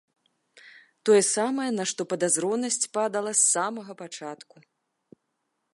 Тое самае, на што падазронасць падала з самага пачатку?!